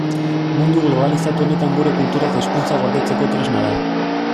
Mundu globalizatu honetan gure kultura eta hizkuntza gordetzeko tresna da.